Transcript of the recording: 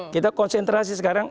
kita konsentrasi sekarang